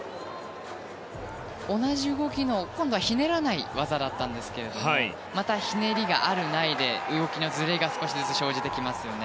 同じ動きの今度はひねらない技だったんですがまたひねりがあるないで動きのずれが少しずつ生じてきますね。